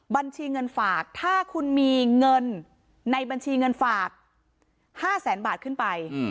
บัญชีเงินฝากถ้าคุณมีเงินในบัญชีเงินฝาก๕แสนบาทขึ้นไป